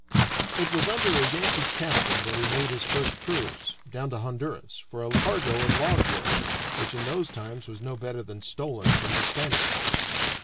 It was under a Yankee captain that he made his first cruise down to Honduras, for a cargo of logwood, which in those times was no better than stolen from the Spanish folk.